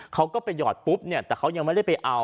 เขาก็ไปหอดปุ๊บเนี่ยแต่เขายังไม่ได้ไปเอา